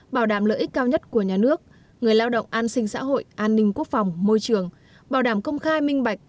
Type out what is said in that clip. bảo đảm lợi ích cao nhất của nhà nước người lao động an sinh xã hội an ninh quốc phòng môi trường bảo đảm công khai minh bạch